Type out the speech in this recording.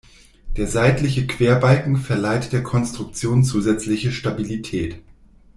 Der seitliche Querbalken verleiht der Konstruktion zusätzliche Stabilität.